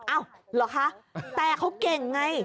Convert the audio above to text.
เหรอคะแต่เขาเก่งไง